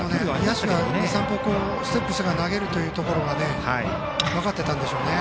野手が２３歩ステップしてから投げることが分かっていたんでしょうね。